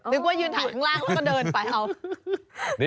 นึกว่ายืนหังล่างแล้วก็เดินไป